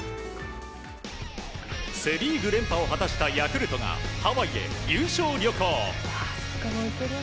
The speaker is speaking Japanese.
セ・リーグ連覇を果たしたヤクルトが、ハワイへ優勝旅行。